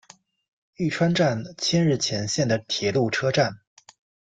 玉川站千日前线的铁路车站。